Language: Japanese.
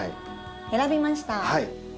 選びました。